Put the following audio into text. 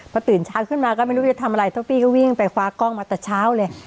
พอตื่นเช้าขึ้นมาก็ไม่รู้จะทำอะไรเท่าพี่ก็วิ่งไปคว้ากล้องมาแต่เช้าเลย